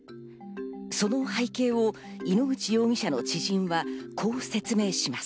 その背景を井ノ口容疑者の知人はこう説明します。